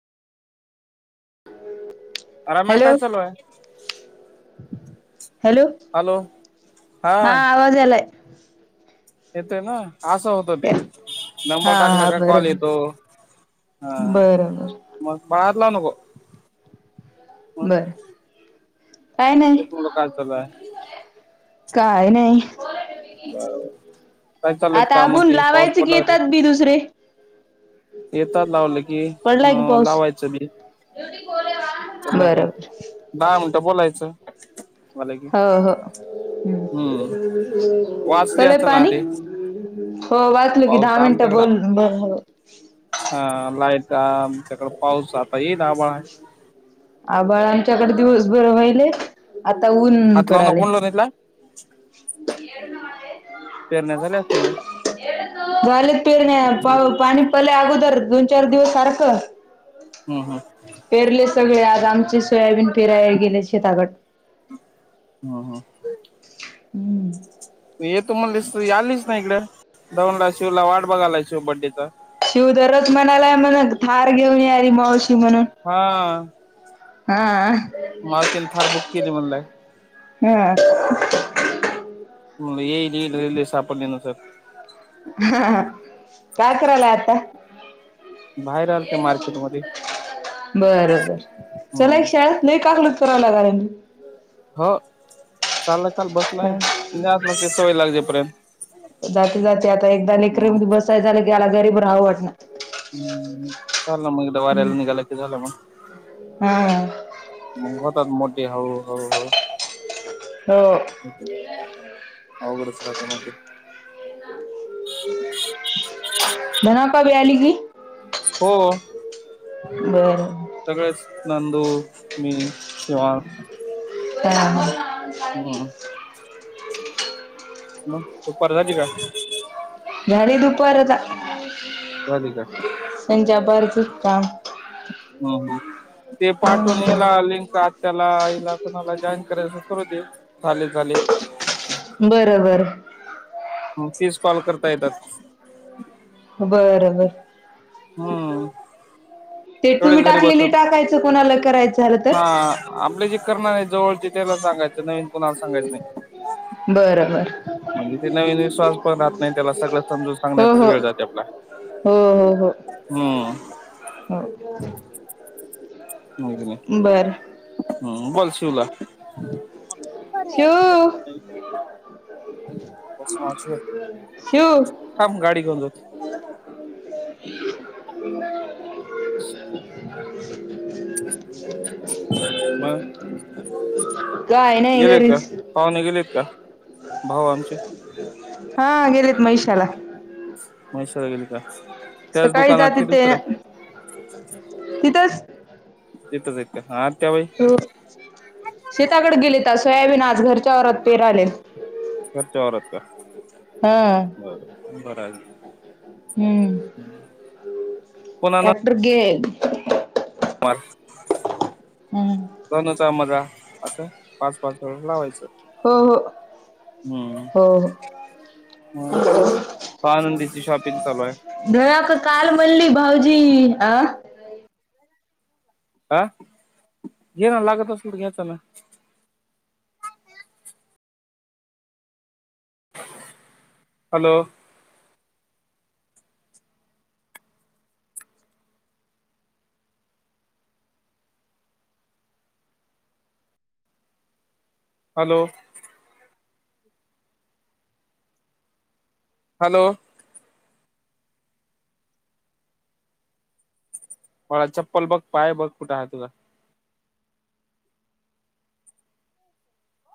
ह् [inaudible] आराम काय चालू आहे? हॅलो हॅलो हा आवाज यायलाय येतोय ना असं होत ते नंबर हा टाकला हा का कॉल बरं येतो. हं बरोबर म बाहेरला नको. मग बरं काय नाही. तेच म्हणलं काय चालू आहे [inaudible] काय नाही काय चाललंय आता काम आपण कि पाऊस लावायचं की पडला येतात. तिकडे का दुसरे? येतात लावलंकी पडलाय की अ पाऊस लावायचं पण. जमलं का बरोबर दहा मिनटं बोलायचं. झालं की हो हो [inaudible] हम्म [inaudible] वाचली कले असेल ना पाणी ते हो वाचलं की पाऊस दहा मिनिटं आमच्याकडं बोल ब हा लाईट आमच्याकड पाऊस आता येईल आभाळ आहे. आभाळ आमच्याकडे दिवसभर राहिले हात लावु नको कोण घेतला इथला पेरण्या झाले असतील ना? झाल्यात पेरण्या, पाणी पडल्या अगोदर दोन, चार दिवस सारखं हम्म पेरले सगळे आज, आमचे सोयाबीन पेरायला गेले शेताकड. हा, हा, हम्म तू येतो म्हणलीस तू आलीच ना इकडे, दौडला शिवला, वाट बघायला, शिव बड्डेचा शिव दररोज म्हणाला म्हण, थार घेऊन यायली मावशी म्हणून. हा. हा. मावशीने थार बुक केली म्हणलाय. हा म्हणलं येईल, येईल, रेल्वे सापडली नसल. हा काय करायला आता? बाहेर आल ते मार्केट मध्ये बरबर चला हम्म एक शा ळेत नाही काकलुत [unintelligible] फिरायला लागलाय [unintelligible] हो चालाय, काल बसलाय हा म्हणजे आपलं ते सवय लागेपर्यंत. जाती जाते आता एकदा निक्र बसाय झाल की आला गरीब राहावं वाटणा. [unintelligible] हं चाललं मग दाऱ्याला निघाला कि झालं मग [unintelligible] हा म होतात मोठे, हळु, हळु, हो हळु अवघडच राहते मग ते. धन आप्पा पण आले की, हो. बरं. सगळेच नंदू, मी शिवान ह [unintelligible] मग दुपार झाली का? झाडी दुपारता झाली का संच्यापारचच काम [unintelligible] ह ते पाठवून येला हम्म लिंकह त्यालाला [unintelligible] कोणाला जॉईन करायचं करू दे, झाले झाले बरोबर. मग तीस कॉल करता येतात. बर, बर हम्म ते तुम्ही तेवढेच घरी टाकलेली, बसून टाकायचं कोणाला? करायचं झालं हा तर आपले जे करणार आहे, जवळचे त्याला सांगायच नाही. कोणाला सांगायचं नाही. बरोबर. म्हणजे ते नवीन विश्वास पण राहत नाही, त्याला सगळं समजून हो सांगण्यातचाच हो वेळ जाते आपला. हो, हो, हम्म हो नाही हो बर हम् बची उला शिव [unintelligible] हो [unintelligible] शिव थांब गाडी घेऊन जाऊ. हो [inaudible] मग. काय नाही गेले का, घरीच पाहुणे गेलेत का भाव आमचे. हा गेलेत महिषाला महेश्वरा गेली का स सकाळी जाती ते तिथंच तिथेच आहेत का त्या बाई हो शेताकडे गेलेत आज, सोयाबीन आज घरच्या वावरात पेरायला. घरच्या वावरात का? हा बर, बर हम् [inaudible] टॅक्टर गे ार हम्म. लनचा मझा आता पाच पाच वे लावायचं हो हो हम्म हो हम आनंदीची शॉपिंग चालू आहे जी अ हा घे ना लागत असल घ्यायचं ना हॅलो हॅलो हॅलो मला चप्पल बघ पाय बघ कुठे आहे तुझा